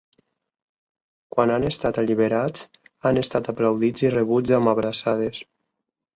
Quan han estat alliberats, han estat aplaudits i rebuts amb abraçades.